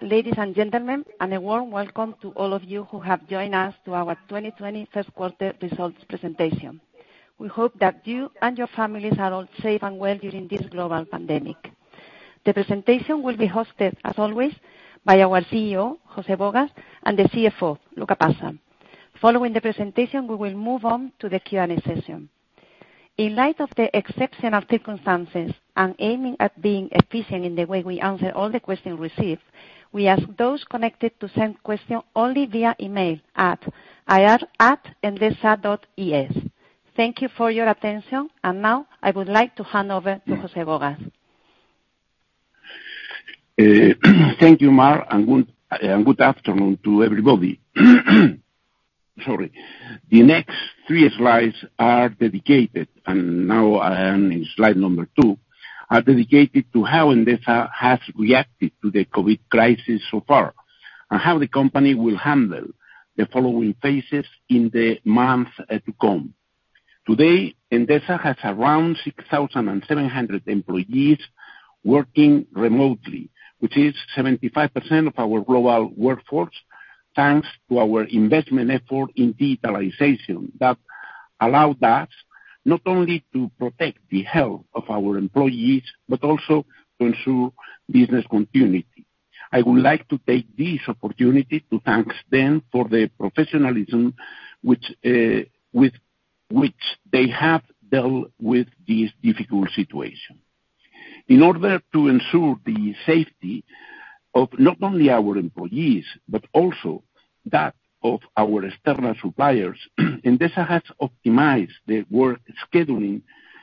Ladies and gentlemen, and a warm welcome to all of you who have joined us to our 2020 first quarter results presentation. We hope that you and your families are all safe and well during this global pandemic. The presentation will be hosted, as always, by our CEO, José Bogas, and the CFO, Luca Passa. Following the presentation, we will move on to the Q&A session. In light of the exceptional circumstances and aiming at being efficient in the way we answer all the questions received, we ask those connected to send questions only via email at ir@endesa.es. Thank you for your attention, and now I would like to hand over to José Bogas. Thank you, Mar, and good afternoon to everybody. Sorry, the next three slides are dedicated, and now I am in slide number two, to how Endesa has reacted to the COVID crisis so far and how the company will handle the following phases in the months to come. Today, Endesa has around 6,700 employees working remotely, which is 75% of our global workforce, thanks to our investment effort in digitalization that allowed us not only to protect the health of our employees but also to ensure business continuity. I would like to take this opportunity to thank them for the professionalism with which they have dealt with this difficult situation. In order to ensure the safety of not only our employees but also that of our external suppliers, Endesa has optimized their work scheduling,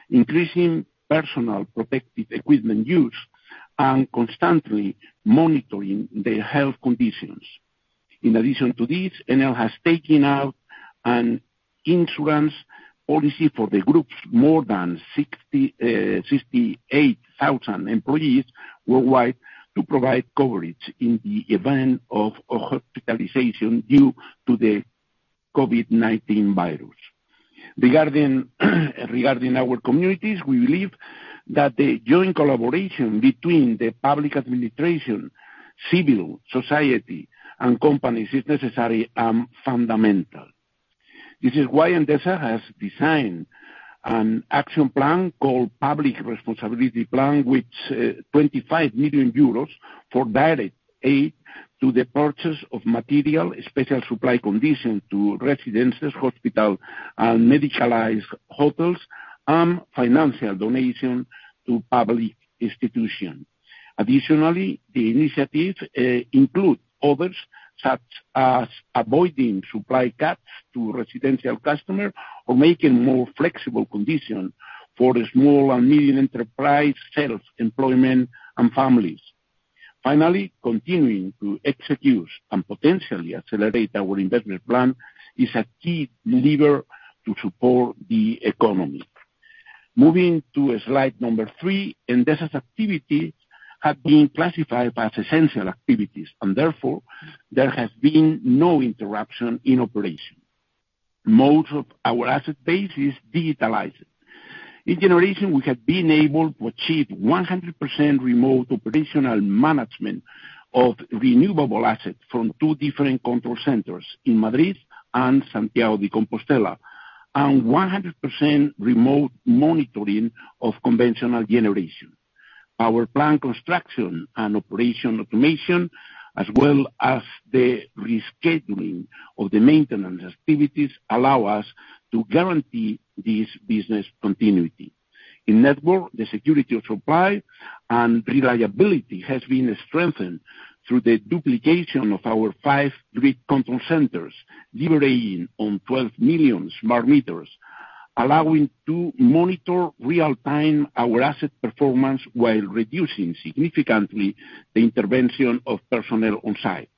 increasing personal protective equipment use and constantly monitoring their health conditions. In addition to this, Endesa has taken out an insurance policy for the group's more than 68,000 employees worldwide to provide coverage in the event of hospitalization due to the COVID-19 virus. Regarding our communities, we believe that the joint collaboration between the public administration, civil society, and companies is necessary and fundamental. This is why Endesa has designed an action plan called Public Responsibility Plan with 25 million euros for direct aid to the purchase of material, special supply conditions to residences, hospitals, and medicalized hotels, and financial donation to public institutions. Additionally, the initiative includes others such as avoiding supply cuts to residential customers or making more flexible conditions for small and medium enterprises, self-employment, and families. Finally, continuing to execute and potentially accelerate our investment plan is a key lever to support the economy. Moving to slide number three, Endesa's activities have been classified as essential activities, and therefore there has been no interruption in operation. Most of our asset base is digitized. In generation, we have been able to achieve 100% remote operational management of renewable assets from two different control centers in Madrid and Santiago de Compostela and 100% remote monitoring of conventional generation. Our plan construction and operation automation, as well as the rescheduling of the maintenance activities, allow us to guarantee this business continuity. In network, the security of supply and reliability has been strengthened through the duplication of our five grid control centers, leveraging our 12 million smart meters, allowing to monitor real-time our asset performance while reducing significantly the intervention of personnel on site.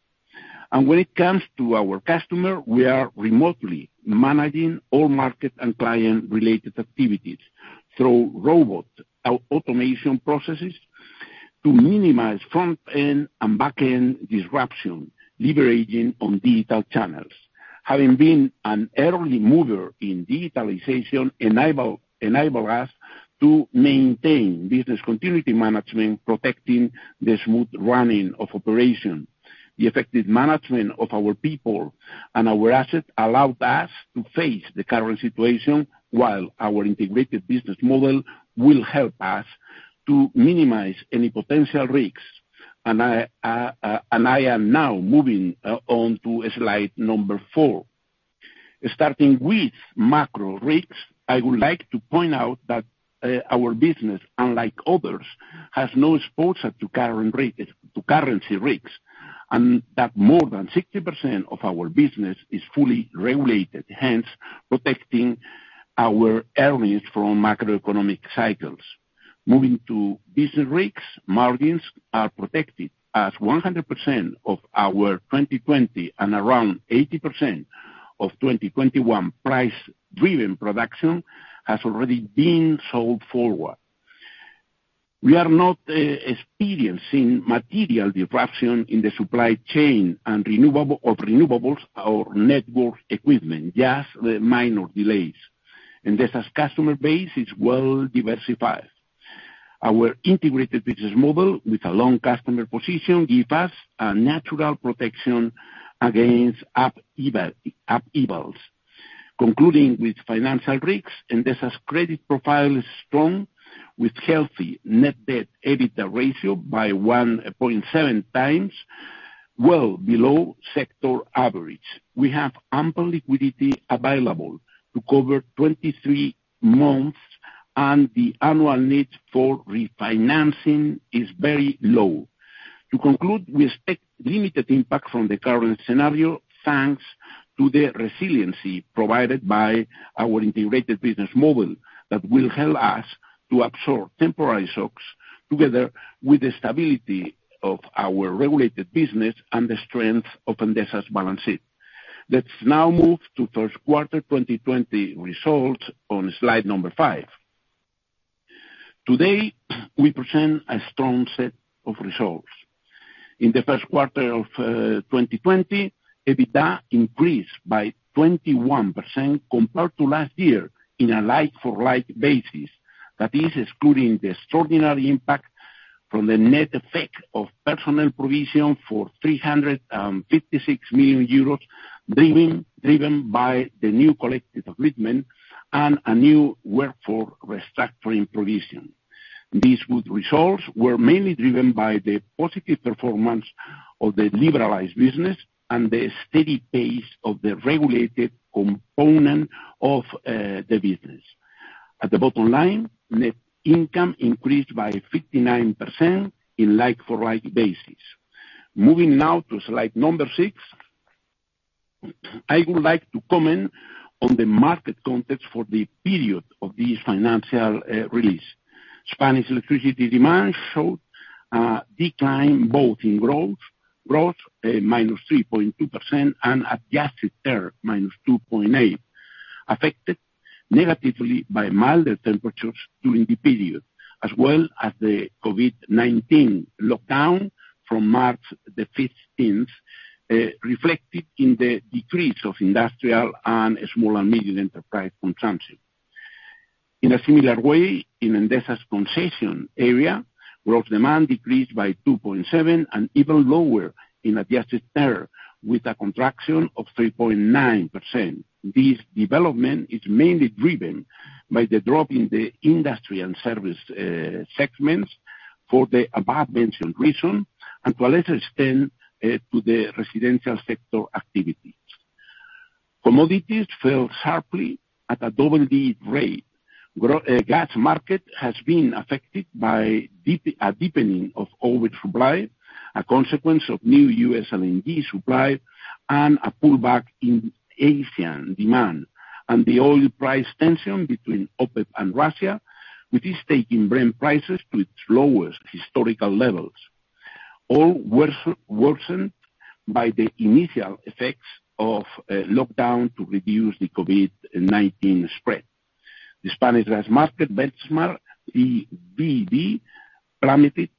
And when it comes to our customers, we are remotely managing all market and client-related activities through robot automation processes to minimize front-end and back-end disruption, liberating on digital channels. Having been an early mover in digitalization, it enables us to maintain business continuity management, protecting the smooth running of operations. The effective management of our people and our assets allowed us to face the current situation while our integrated business model will help us to minimize any potential risks. And I am now moving on to slide number four. Starting with macro risks, I would like to point out that our business, unlike others, has no exposure to currency risks and that more than 60% of our business is fully regulated, hence protecting our earnings from macroeconomic cycles. Moving to business risks, margins are protected as 100% of our 2020 and around 80% of 2021 price-driven production has already been sold forward. We are not experiencing material disruption in the supply chain of renewables or network equipment, just minor delays. Endesa's customer base is well diversified. Our integrated business model with a long customer position gives us a natural protection against upheavals. Concluding with financial risks, Endesa's credit profile is strong with a healthy net debt/EBITDA ratio by 1.7x, well below sector average. We have ample liquidity available to cover 23 months, and the annual need for refinancing is very low. To conclude, we expect limited impact from the current scenario thanks to the resiliency provided by our integrated business model that will help us to absorb temporary shocks together with the stability of our regulated business and the strength of Endesa's balance sheet. Let's now move to first quarter 2020 results on slide number five. Today, we present a strong set of results. In the first quarter of 2020, EBITDA increased by 21% compared to last year on a like-for-like basis. That is, excluding the extraordinary impact from the net effect of personnel provision for 356 million euros driven by the new collective agreement and a new workforce restructuring provision. These good results were mainly driven by the positive performance of the liberalized business and the steady pace of the regulated component of the business. At the bottom line, net income increased by 59% on a like-for-like basis. Moving now to slide number six, I would like to comment on the market context for the period of this financial release. Spanish electricity demand showed a decline both in gross -3.2% and adjusted term -2.8%, affected negatively by milder temperatures during the period, as well as the COVID-19 lockdown from March 15th, reflected in the decrease of industrial and small and medium enterprise consumption. In a similar way, in Endesa's concession area, gross demand decreased by 2.7% and even lower in adjusted terms with a contraction of 3.9%. This development is mainly driven by the drop in the industry and service segments for the above-mentioned reason and to a lesser extent to the residential sector activity. Commodities fell sharply at a double-digit rate. The gas market has been affected by a deepening of oil supply, a consequence of new US LNG supply, and a pullback in Asian demand, and the oil price tension between OPEC and Russia, which is taking Brent prices to its lowest historical levels, all worsened by the initial effects of lockdown to reduce the COVID-19 spread. The Spanish gas market benchmark PVB plummeted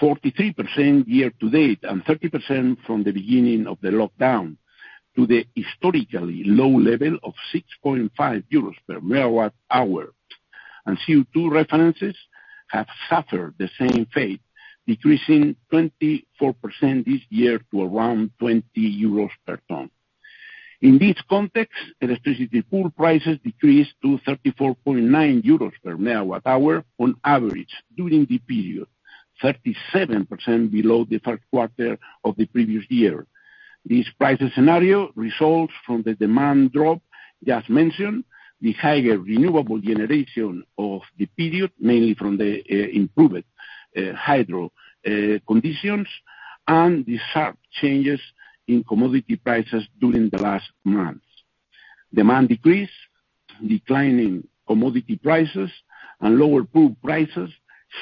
43% year-to-date and 30% from the beginning of the lockdown to the historically low level of 6.5 euros per MWh, and CO2 references have suffered the same fate, decreasing 24% this year to around 20 euros per ton. In this context, electricity pool prices decreased to 34.9 euros per MWh on average during the period, 37% below the first quarter of the previous year. This price scenario results from the demand drop just mentioned, the higher renewable generation of the period, mainly from the improved hydro conditions, and the sharp changes in commodity prices during the last months. Demand decreased, declining commodity prices, and lower pool prices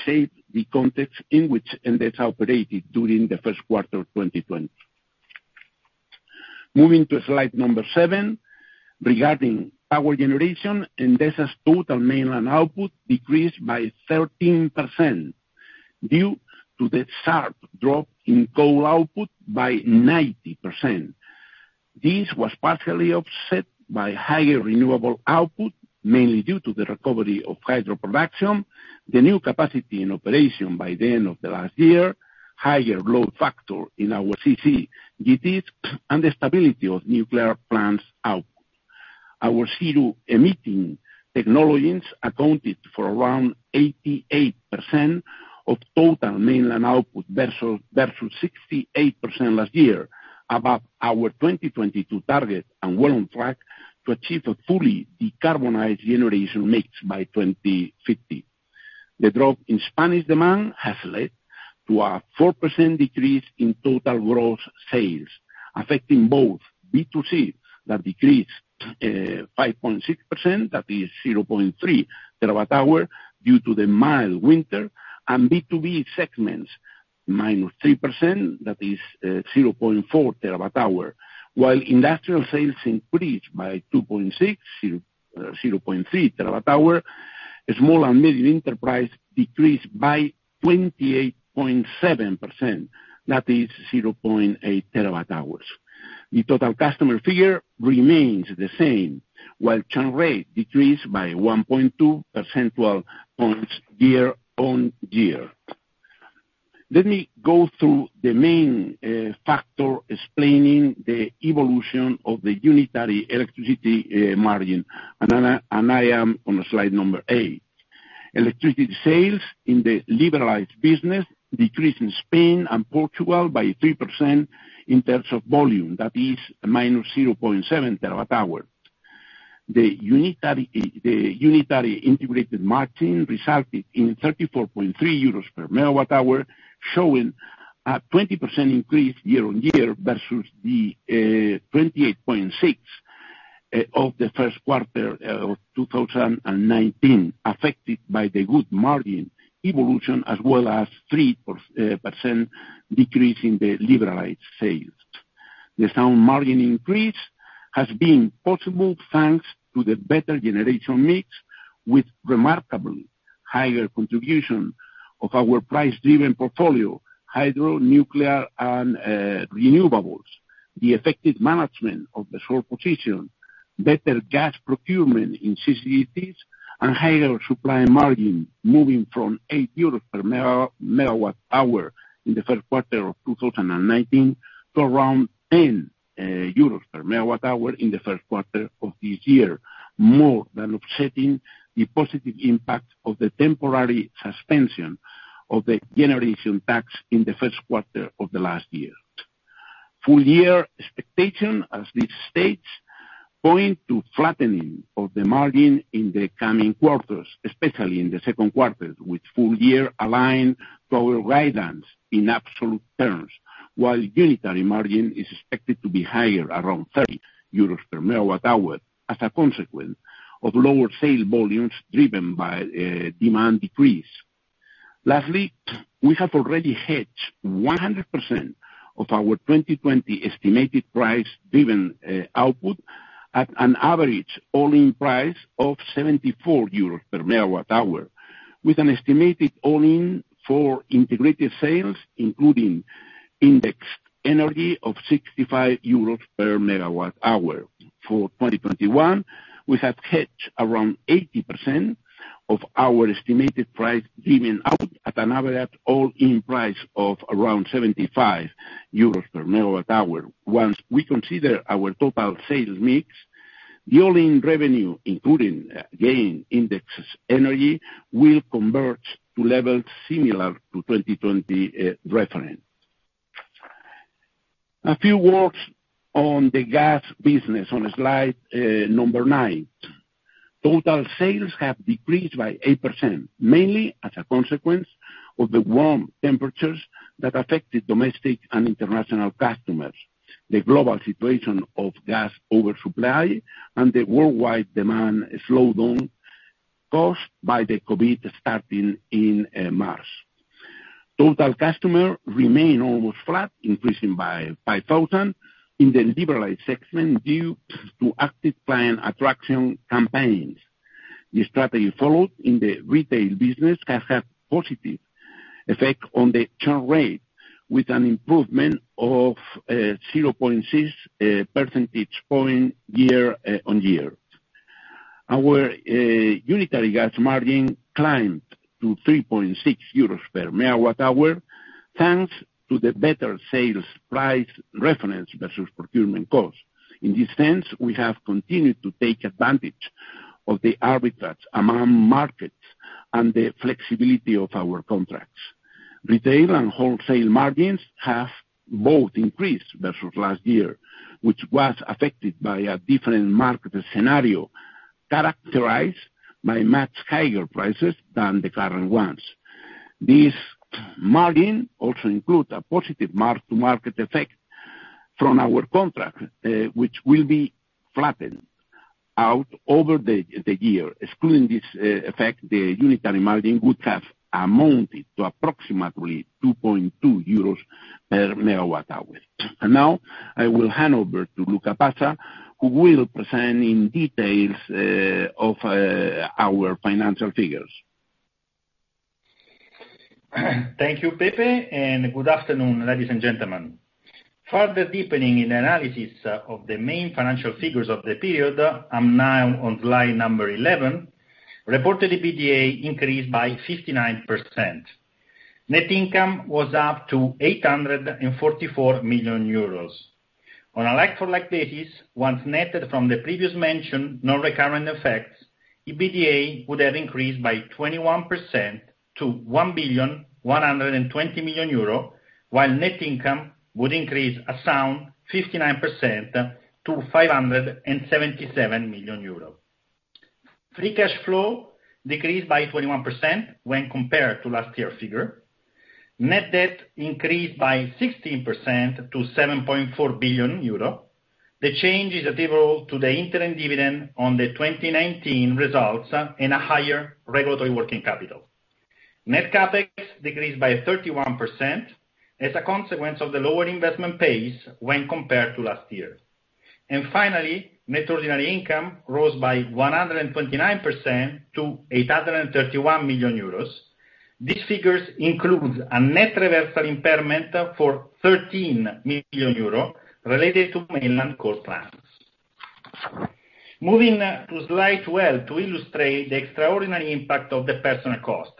shaped the context in which Endesa operated during the first quarter of 2020. Moving to slide number seven, regarding power generation, Endesa's total mainland output decreased by 13% due to the sharp drop in coal output by 90%. This was partially offset by higher renewable output, mainly due to the recovery of hydro production, the new capacity in operation by the end of the last year, higher load factor in our CCGTs, and the stability of nuclear plants output. Our CO2 emitting technologies accounted for around 88% of total mainland output versus 68% last year, above our 2022 target and well on track to achieve a fully decarbonized generation mix by 2050. The drop in Spanish demand has led to a 4% decrease in total gross sales, affecting both B2C that decreased 5.6%, that is 0.3 TWh due to the mild winter, and B2B segments -3%, that is 0.4 TWh. While industrial sales increased by 2.6%, 0.3 TWh, small and medium enterprise decreased by 28.7%, that is 0.8 TWh. The total customer figure remains the same, while churn rate decreased by 1.2 percentage points year-on-year. Let me go through the main factor explaining the evolution of the unitary electricity margin, and I am on slide number eight. Electricity sales in the liberalized business decreased in Spain and Portugal by 3% in terms of volume, that is -0.7 TWh. The unitary integrated margin resulted in 34.3 euros per MWh, showing a 20% increase year-on-year versus the 28.6% of the first quarter of 2019, affected by the good margin evolution as well as 3% decrease in the liberalized sales. The sound margin increase has been possible thanks to the better generation mix with remarkably higher contribution of our price-driven portfolio, hydro, nuclear, and renewables, the effective management of the short position, better gas procurement in CCGTs, and higher supply margin, moving from 8 euros per MWh in the first quarter of 2019 to around EUR 10 per MWh in the first quarter of this year, more than offsetting the positive impact of the temporary suspension of the generation tax in the first quarter of the last year. Full-year expectation, as this states, points to flattening of the margin in the coming quarters, especially in the second quarter, with full-year aligned to our guidance in absolute terms, while unitary margin is expected to be higher, around 30 euros per MWh, as a consequence of lower sale volumes driven by demand decrease. Lastly, we have already hedged 100% of our 2020 estimated price-driven output at an average all-in price of 74 euros per MWh, with an estimated all-in for integrated sales, including indexed energy, of 65 euros per MWh. For 2021, we have hedged around 80% of our estimated price-driven output at an average all-in price of around 75 euros per MWh. Once we consider our total sales mix, the all-in revenue, including again indexed energy, will converge to levels similar to 2020 reference. A few words on the gas business on slide number nine. Total sales have decreased by 8%, mainly as a consequence of the warm temperatures that affected domestic and international customers, the global situation of gas oversupply, and the worldwide demand slowdown caused by the COVID starting in March. Total customers remain almost flat, increasing by 5,000 in the liberalized segment due to active client attraction campaigns. The strategy followed in the retail business has had a positive effect on the churn rate, with an improvement of 0.6 percentage points year-on-year. Our unitary gas margin climbed to 3.6 euros per MWh thanks to the better sales price reference versus procurement cost. In this sense, we have continued to take advantage of the arbitrage among markets and the flexibility of our contracts. Retail and wholesale margins have both increased versus last year, which was affected by a different market scenario characterized by much higher prices than the current ones. This margin also includes a positive mark-to-market effect from our contract, which will be flattened out over the year. Excluding this effect, the unitary margin would have amounted to approximately 2.2 euros per MWh. Now I will hand over to Luca Passa, who will present in details of our financial figures. Thank you, Pepe, and good afternoon, ladies and gentlemen. Further deepening in the analysis of the main financial figures of the period, I'm now on slide number 11. Reported EBITDA increased by 59%. Net income was up to 844 million euros. On a like-for-like basis, once netted from the previously mentioned non-recurrent effects, EBITDA would have increased by 21% to 1,120 million euro, while net income would increase a sound 59% to 577 million euro. Free cash flow decreased by 21% when compared to last year's figure. Net debt increased by 16% to 7.4 billion euro. The change is attributable to the interim dividend on the 2019 results and a higher regulatory working capital. Net CapEx decreased by 31% as a consequence of the lower investment pace when compared to last year. And finally, net ordinary income rose by 129% to 831 million euros. These figures include a net reversal impairment for 13 million euros related to mainland coal plants. Moving to slide 12 to illustrate the extraordinary impact of the personnel cost.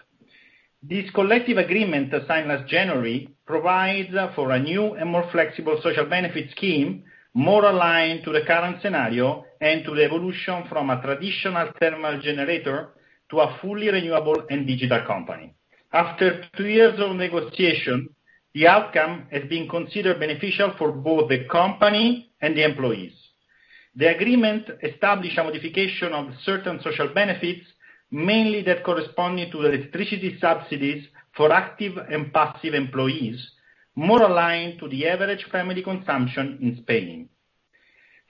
This collective agreement signed last January provides for a new and more flexible social benefit scheme, more aligned to the current scenario and to the evolution from a traditional thermal generator to a fully renewable and digital company. After two years of negotiation, the outcome has been considered beneficial for both the company and the employees. The agreement established a modification of certain social benefits, mainly that corresponding to the electricity subsidies for active and passive employees, more aligned to the average family consumption in Spain.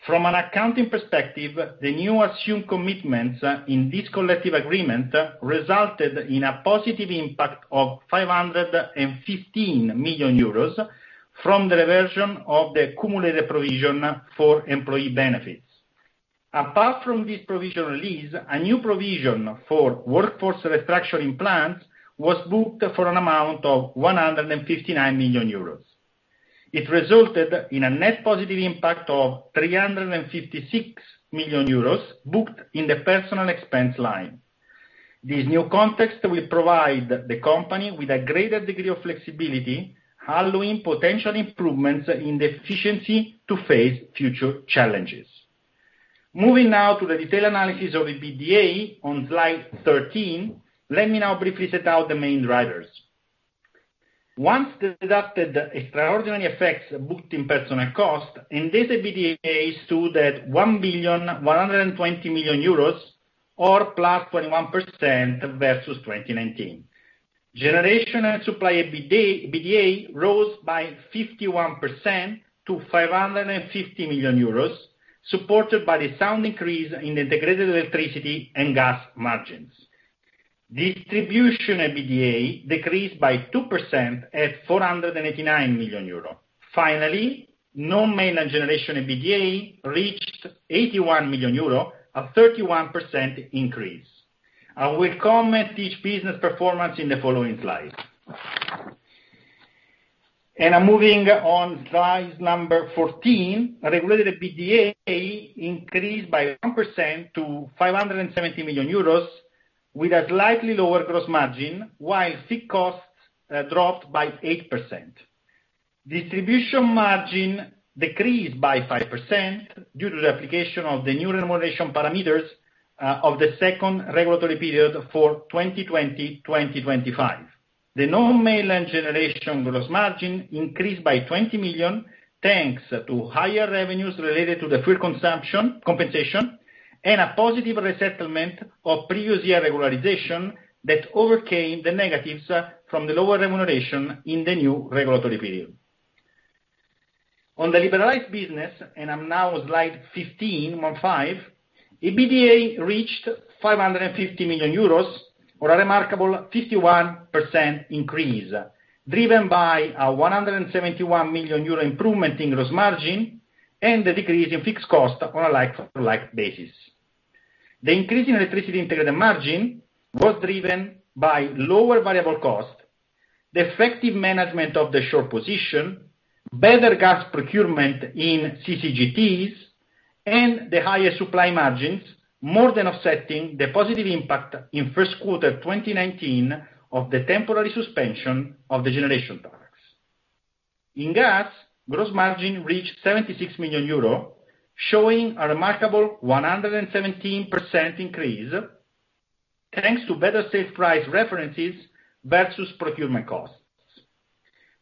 From an accounting perspective, the new assumed commitments in this collective agreement resulted in a positive impact of 515 million euros from the reversion of the cumulative provision for employee benefits. Apart from this provisional release, a new provision for workforce restructuring plans was booked for an amount of 159 million euros. It resulted in a net positive impact of 356 million euros booked in the personnel expense line. This new context will provide the company with a greater degree of flexibility, allowing potential improvements in efficiency to face future challenges. Moving now to the detailed analysis of EBITDA on slide 13, let me now briefly set out the main drivers. Once deducted the extraordinary effects booked in personal cost, Endesa EBITDA stood at 1,120 million euros, or +21% versus 2019. Generation and supply EBITDA rose by 51% to 550 million euros, supported by the sound increase in the integrated electricity and gas margins. Distribution EBITDA decreased by 2% at 489 million euro. Finally, non-mainland generation EBITDA reached 81 million euro, a 31% increase. I will comment each business performance in the following slides. And I'm moving on slide number 14. Regulated EBITDA increased by 1% to 570 million euros, with a slightly lower gross margin, while fixed costs dropped by 8%. Distribution margin decreased by 5% due to the application of the new remuneration parameters of the second regulatory period for 2020-2025. The non-mainland generation gross margin increased by 20 million thanks to higher revenues related to the fuel compensation and a positive resettlement of previous year regularization that overcame the negatives from the lower remuneration in the new regulatory period. On the liberalized business, and I'm now on slide 15, EBITDA reached 550 million euros, or a remarkable 51% increase, driven by a 171 million euro improvement in gross margin and the decrease in fixed cost on a like-for-like basis. The increase in electricity integrated margin was driven by lower variable cost, the effective management of the short position, better gas procurement in CCGTs, and the higher supply margins, more than offsetting the positive impact in first quarter 2019 of the temporary suspension of the generation tax. In gas, gross margin reached 76 million euro, showing a remarkable 117% increase thanks to better sale price references versus procurement costs.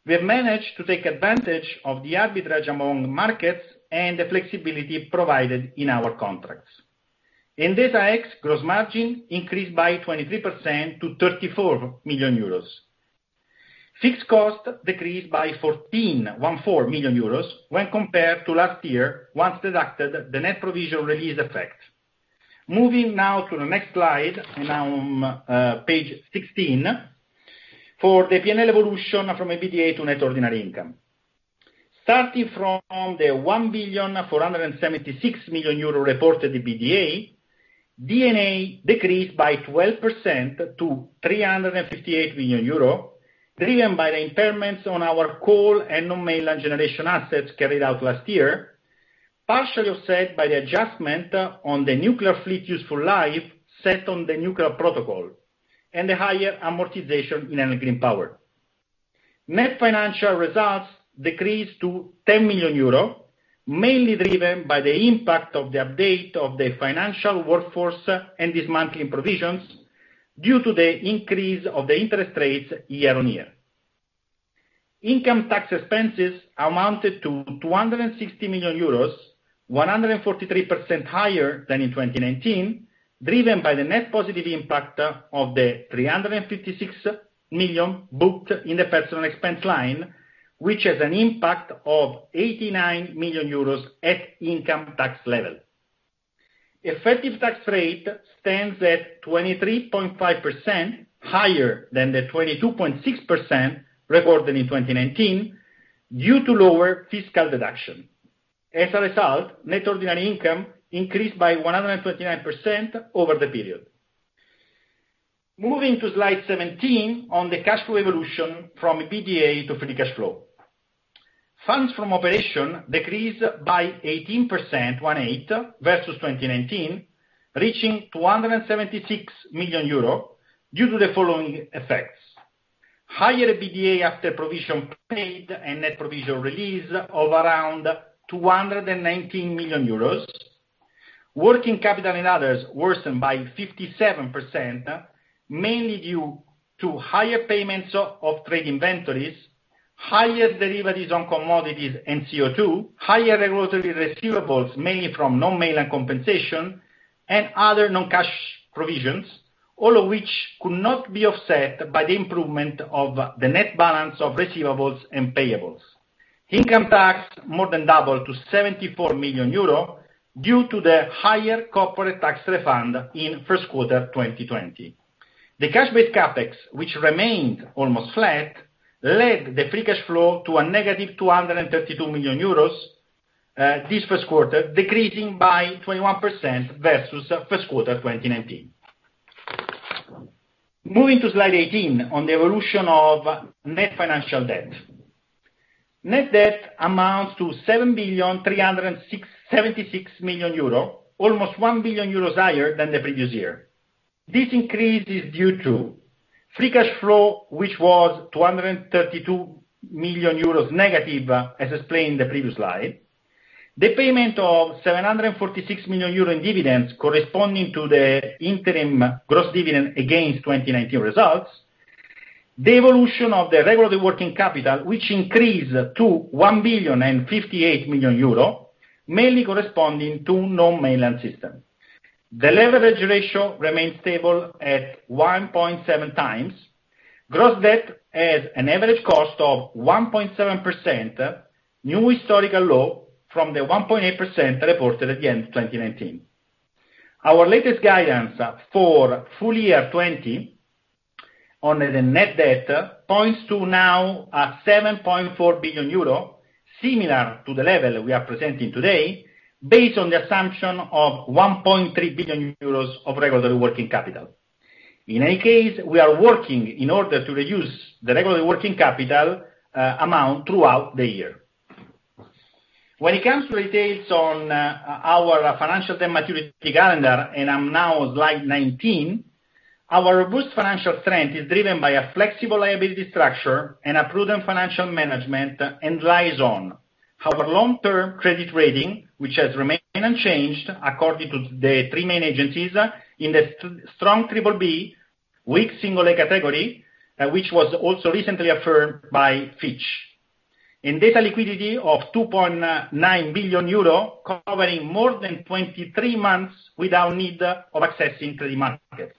We have managed to take advantage of the arbitrage among markets and the flexibility provided in our contracts. Endesa gross margin increased by 23% to 34 million euros. Fixed cost decreased by 14 million euros when compared to last year, once deducted the net provision release effect. Moving now to the next slide, and now on page 16, for the P&L evolution from EBITDA to net ordinary income. Starting from the 1,476 million euro reported EBITDA, D&A decreased by 12% to 358 million euro, driven by the impairments on our coal and non-mainland generation assets carried out last year, partially offset by the adjustment on the nuclear fleet useful life set on the nuclear protocol and the higher amortization in energy and green power. Net financial results decreased to 10 million euros, mainly driven by the impact of the update of the financial workforce and dismantling provisions due to the increase of the interest rates year-on-year. Income tax expenses amounted to 260 million euros, 143% higher than in 2019, driven by the net positive impact of the 356 million booked in the personal expense line, which has an impact of 89 million euros at income tax level. Effective tax rate stands at 23.5%, higher than the 22.6% recorded in 2019 due to lower fiscal deduction. As a result, net ordinary income increased by 129% over the period. Moving to slide 17 on the cash flow evolution from EBITDA to free cash flow. Funds from operation decreased by 18% versus 2019, reaching 276 million euros due to the following effects: higher EBITDA after provision paid and net provision release of around 219 million euros, working capital and others worsened by 57%, mainly due to higher payments of trade inventories, higher derivatives on commodities and CO2, higher regulatory receivables, mainly from non-mainland compensation and other non-cash provisions, all of which could not be offset by the improvement of the net balance of receivables and payables. Income tax more than doubled to 74 million euro due to the higher corporate tax refund in first quarter 2020. The cash-based CapEx, which remained almost flat, led the free cash flow to a negative 232 million euros this first quarter, decreasing by 21% versus first quarter 2019. Moving to slide 18 on the evolution of net financial debt. Net debt amounts to 7,376 million euro, almost 1 billion euros higher than the previous year. This increase is due to free cash flow, which was 232 million euros negative, as explained in the previous slide, the payment of 746 million euros in dividends corresponding to the interim gross dividend against 2019 results, the evolution of the regulatory working capital, which increased to 1,058 million euro, mainly corresponding to non-mainland system. The leverage ratio remained stable at 1.7x. Gross debt has an average cost of 1.7%, new historical low from the 1.8% reported at the end of 2019. Our latest guidance for full year 2020 on the net debt points to now a 7.4 billion euro, similar to the level we are presenting today, based on the assumption of 1.3 billion euros of regulatory working capital. In any case, we are working in order to reduce the regulatory working capital amount throughout the year. When it comes to details on our financial debt maturity calendar, and I'm now on slide 19, our robust financial strength is driven by a flexible liability structure and a prudent financial management and lies on our long-term credit rating, which has remained unchanged according to the three main agencies in the strong BBB, weak single A category, which was also recently affirmed by Fitch. Endesa liquidity of 2.9 billion euro, covering more than 23 months without need of accessing credit markets.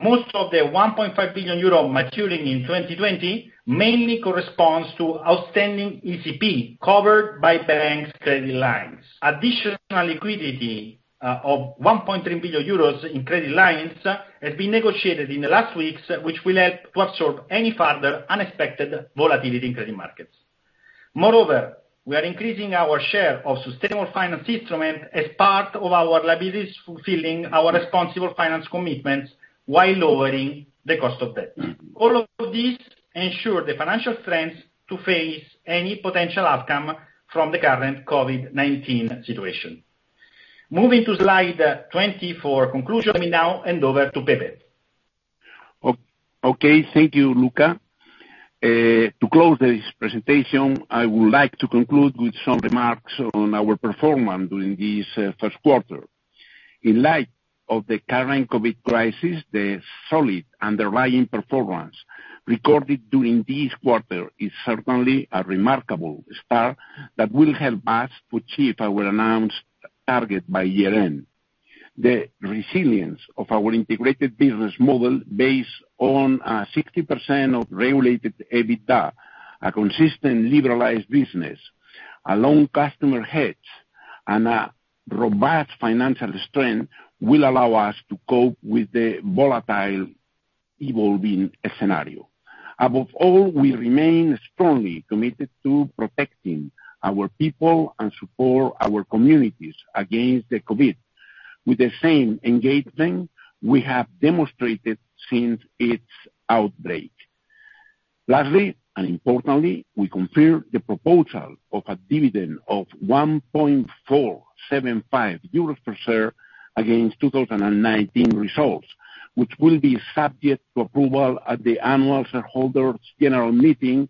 Most of the 1.5 billion euro maturing in 2020 mainly corresponds to outstanding ECP covered by banks' credit lines. Additional liquidity of 1.3 billion euros in credit lines has been negotiated in the last weeks, which will help to absorb any further unexpected volatility in credit markets. Moreover, we are increasing our share of sustainable finance instruments as part of our liabilities fulfilling our responsible finance commitments while lowering the cost of debt. All of these ensure the financial strength to face any potential outcome from the current COVID-19 situation. Moving to slide 20 for conclusion, let me now hand over to Pepe. Okay, thank you, Luca. To close this presentation, I would like to conclude with some remarks on our performance during this first quarter. In light of the current COVID crisis, the solid underlying performance recorded during this quarter is certainly a remarkable start that will help us to achieve our announced target by year-end. The resilience of our integrated business model based on a 60% of regulated EBITDA, a consistent liberalized business, a long customer hedge, and a robust financial strength will allow us to cope with the volatile evolving scenario. Above all, we remain strongly committed to protecting our people and support our communities against the COVID, with the same engagement we have demonstrated since its outbreak. Lastly, and importantly, we confirm the proposal of a dividend of 1.475 euros per share against 2019 results, which will be subject to approval at the annual shareholders' general meeting,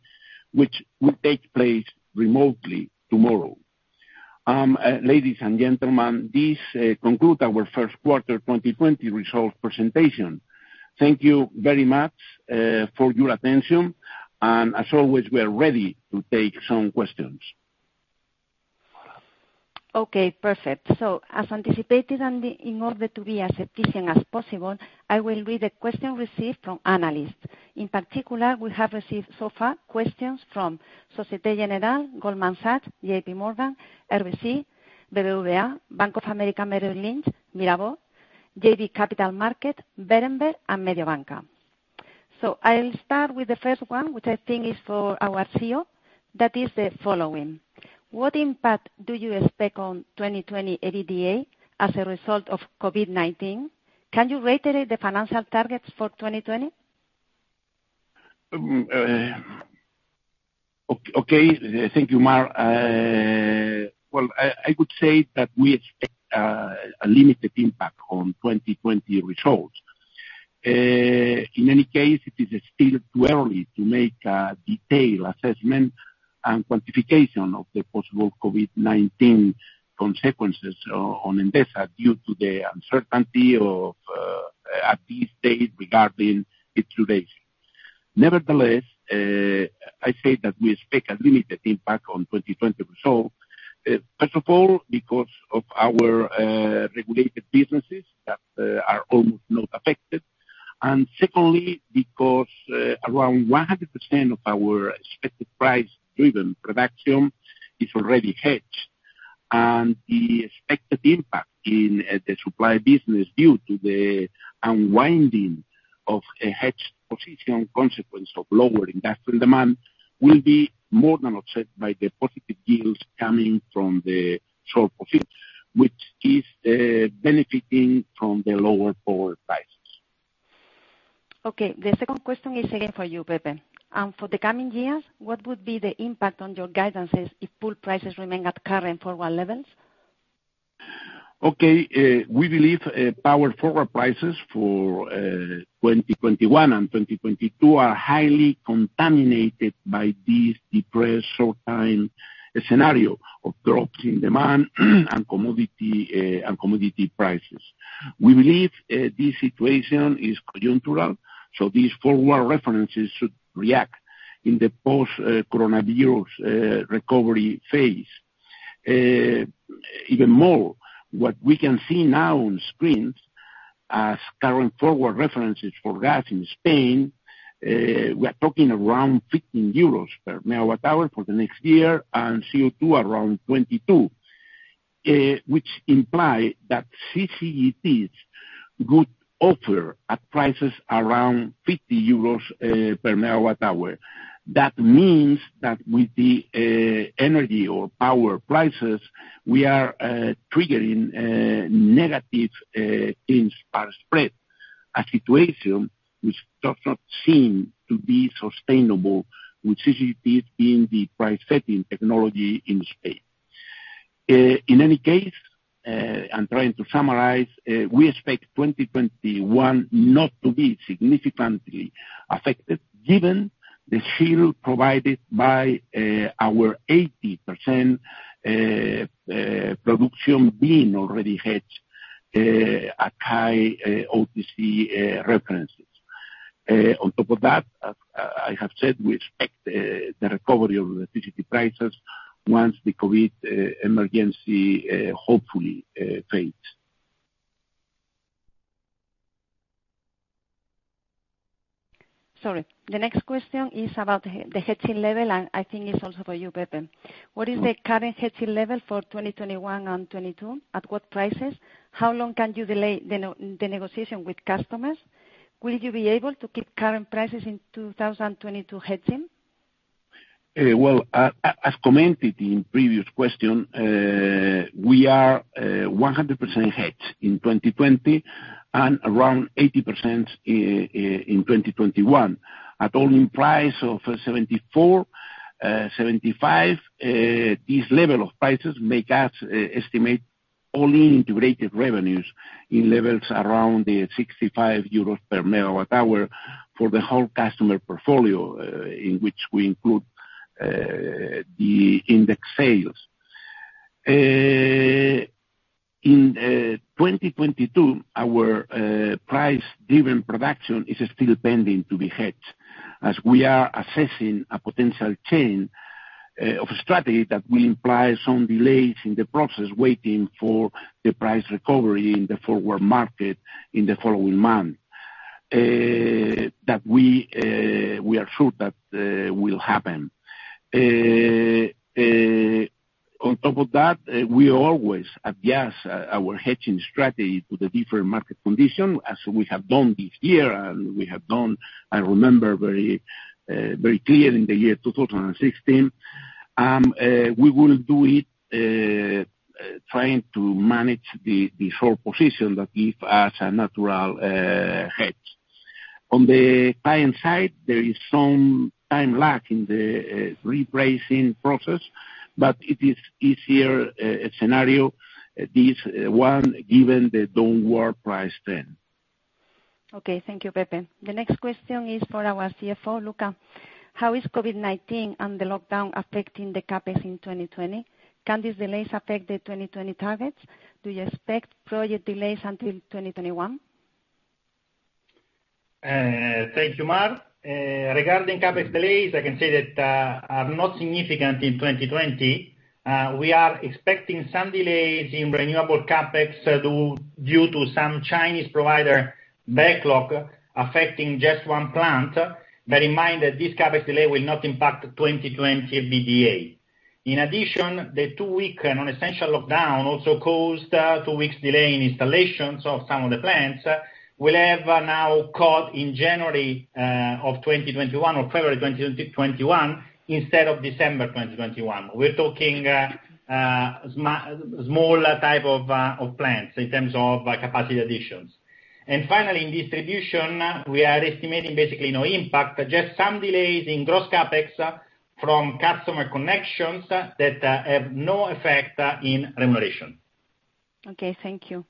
which will take place remotely tomorrow. Ladies and gentlemen, this concludes our first quarter 2020 results presentation. Thank you very much for your attention. And as always, we are ready to take some questions. Okay, perfect. So, as anticipated, and in order to be as efficient as possible, I will read the questions received from analysts. In particular, we have received so far questions from Société Générale, Goldman Sachs, JPMorgan, RBC, BBVA, Bank of America Merrill Lynch, Mirabaud, JB Capital Markets, Berenberg, and Mediobanca. I'll start with the first one, which I think is for our CEO, that is the following: What impact do you expect on 2020 EBITDA as a result of COVID-19? Can you reiterate the financial targets for 2020? Okay, thank you, Mar. I would say that we expect a limited impact on 2020 results. In any case, it is still too early to make a detailed assessment and quantification of the possible COVID-19 consequences on Endesa due to the uncertainty at this stage regarding its duration. Nevertheless, I say that we expect a limited impact on 2020 results, first of all, because of our regulated businesses that are almost not affected, and secondly, because around 100% of our expected price-driven production is already hedged. And the expected impact in the supply business due to the unwinding of a hedged position, a consequence of lower industrial demand, will be more than offset by the positive yields coming from the short position, which is benefiting from the lower power prices. Okay, the second question is again for you, Pepe. For the coming years, what would be the impact on your guidances if pool prices remain at current forward levels? Okay, we believe power forward prices for 2021 and 2022 are highly contaminated by this depressed short-term scenario of drops in demand and commodity prices. We believe this situation is conjunctural, so these forward references should react in the post-coronavirus recovery phase. Even more, what we can see now on screens as current forward references for gas in Spain, we are talking around 15 euros per MWh for the next year and CO2 around 22, which implies that CCGTs could offer at prices around 50 euros per MWh. That means that with the energy or power prices, we are triggering negative spark spread, a situation which does not seem to be sustainable, with CCGTs being the price-setting technology in the state. In any case, and trying to summarize, we expect 2021 not to be significantly affected given the shield provided by our 80% production being already hedged at high OTC references. On top of that, as I have said, we expect the recovery of electricity prices once the COVID emergency hopefully fades. Sorry, the next question is about the hedging level, and I think it's also for you, Pepe. What is the current hedging level for 2021 and 2022? At what prices? How long can you delay the negotiation with customers? Will you be able to keep current prices in 2022 hedging? As commented in previous question, we are 100% hedged in 2020 and around 80% in 2021. At all in price of 74, 75, this level of prices makes us estimate all in integrated revenues in levels around the 65 euros per MWh for the whole customer portfolio in which we include the index sales. In 2022, our price-driven production is still pending to be hedged as we are assessing a potential change of strategy that will imply some delays in the process waiting for the price recovery in the forward market in the following month that we are sure that will happen. On top of that, we always adjust our hedging strategy to the different market conditions, as we have done this year and we have done, I remember, very clearly in the year 2016. We will do it trying to manage the short position that gives us a natural hedge. On the client side, there is some time lag in the repricing process, but it is easier scenario, this one given the downward price trend. Okay, thank you, Pepe. The next question is for our CFO, Luca. How is COVID-19 and the lockdown affecting the CapEx in 2020? Can these delays affect the 2020 targets? Do you expect project delays until 2021? Thank you, Mar. Regarding CapEx delays, I can say that are not significant in 2020. We are expecting some delays in renewable CapEx due to some Chinese provider backlog affecting just one plant. Bear in mind that this CapEx delay will not impact 2020 EBITDA. In addition, the two-week non-essential lockdown also caused two-week delay in installations of some of the plants. We'll have now cut in January of 2021 or February 2021 instead of December 2021. We're talking small type of plants in terms of capacity additions. And finally, in distribution, we are estimating basically no impact, just some delays in gross CapEx from customer connections that have no effect in remuneration. Okay, thank you.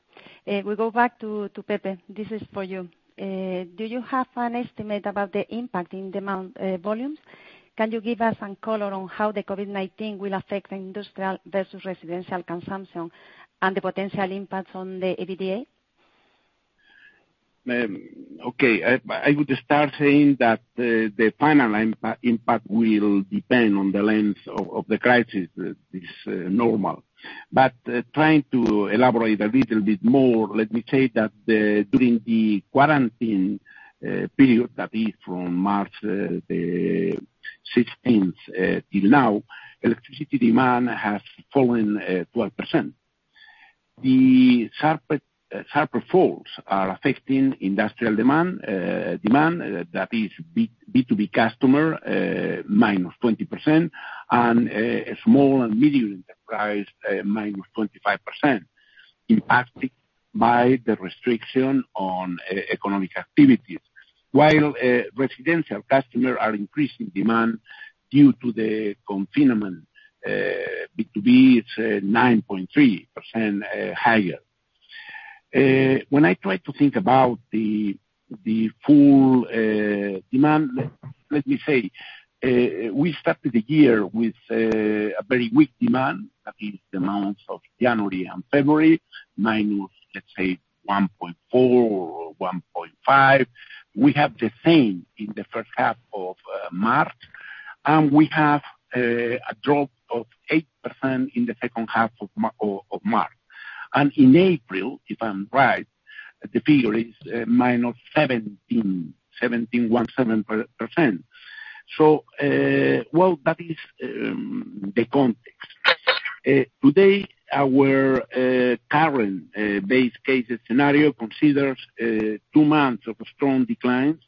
We go back to Pepe. This is for you. Do you have an estimate about the impact in demand volumes? Can you give us some color on how the COVID-19 will affect industrial versus residential consumption and the potential impacts on the EBITDA? Okay, I would start saying that the final impact will depend on the length of the crisis, this normal. But trying to elaborate a little bit more, let me say that during the quarantine period, that is from March 16th till now, electricity demand has fallen 12%. The sharp falls are affecting industrial demand, demand that is B2B customer -20%, and small and medium enterprise -25%, impacted by the restriction on economic activities. While residential customers are increasing demand due to the confinement, B2B is 9.3% higher. When I try to think about the full demand, let me say we started the year with a very weak demand, that is the months of January and February minus, let's say, 1.4% or 1.5%. We have the same in the first half of March, and we have a drop of 8% in the second half of March. And in April, if I'm right, the figure is -17.7%. So, well, that is the context. Today, our current base case scenario considers two months of strong declines